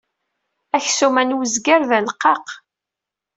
Aksum-a n wezger d aleqqaq.